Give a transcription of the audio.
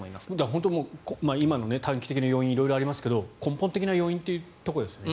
本当に今の短期的な要因色々ありますが根本的な要因というところですよね。